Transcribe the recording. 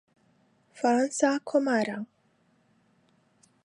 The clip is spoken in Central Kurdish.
فەرەنسا کۆمارە.